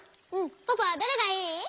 ポポはどれがいい？